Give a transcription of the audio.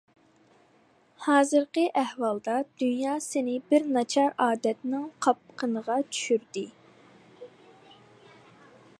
ھازىرقى ئەھۋالدا، دۇنيا سېنى بىر ناچار ئادەتنىڭ قاپقىنىغا چۈشۈردى.